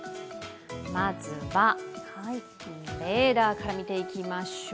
まずはレーダーから見ていきましょう。